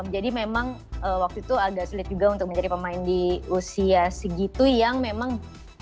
jadi memang waktu itu agak sulit juga untuk mencari pemain di usia segitu yang memang